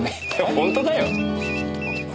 本当かよ。